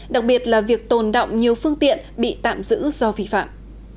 đặc biệt là việc tồn động nhiều phương tiện bị tạm giữ do vi phạm